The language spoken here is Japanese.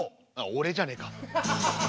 俺じゃねえか。